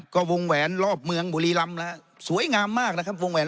ก็วงแหวนรอบเมืองบุรีรำนะฮะสวยงามมากนะครับวงแหวน